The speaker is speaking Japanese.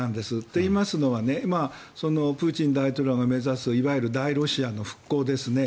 といいますのはプーチン大統領が目指すいわゆる大ロシアの復興ですね。